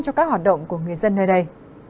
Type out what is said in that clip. cho các hoạt động của người dân nơi đây